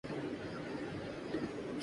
وہاں ایک جگہ خالی ہے۔